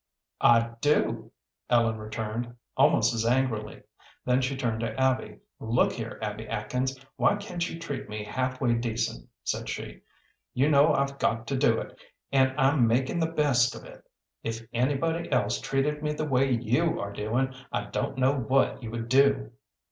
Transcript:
"I do," Ellen returned, almost as angrily. Then she turned to Abby. "Look here, Abby Atkins, why can't you treat me half way decent?" said she. "You know I've got to do it, and I'm making the best of it. If anybody else treated me the way you are doing, I don't know what you would do."